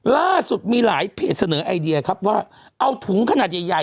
ล่าสุดมีหลายเพจเสนอไอเดียครับว่าเอาถุงขนาดใหญ่ใหญ่